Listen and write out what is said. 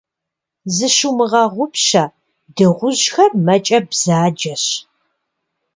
Зыщумыгъэгъупщэ, дыгъужьхэр мэкӀэ бзаджэщ.